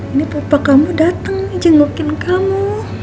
ini papa kamu datang mau jengukin kamu